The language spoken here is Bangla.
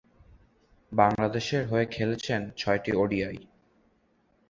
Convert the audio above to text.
বাংলাদেশের হয়ে খেলেছেন ছয়টি ওডিআই।